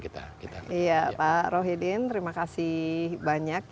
iya pak rohi din terima kasih banyak